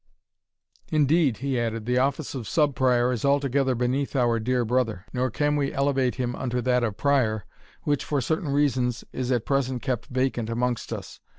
Indeed," he added, "the office of Sub Prior is altogether beneath our dear brother; nor can we elevate him unto that of Prior, which, for certain reasons, is at present kept vacant amongst us.